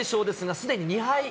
すでに２敗。